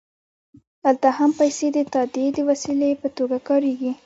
دلته هم پیسې د تادیې د وسیلې په توګه کارېږي